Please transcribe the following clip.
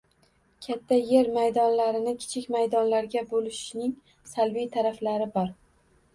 Katta yer maydonlarini kichik maydonlarga bo‘lishning salbiy taraflari bor